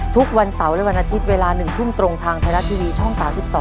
ทุกวันเสาร์และวันอาทิตย์เวลา๑ทุ่มตรงทางไทยรัฐทีวีช่อง๓๒